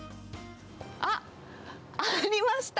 あっ、ありました。